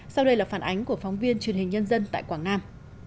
sau đây là phản ánh của phóng viên truyền hình nhân dân tại quảng nam